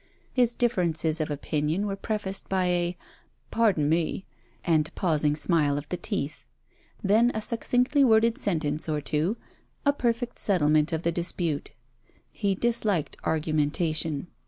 His differences of opinion were prefaced by a 'Pardon me,' and pausing smile of the teeth; then a succinctly worded sentence or two, a perfect settlement of the dispute. He disliked argumentation.